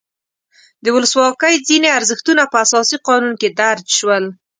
د ولسواکۍ ځینې ارزښتونه په اساسي قانون کې درج شول.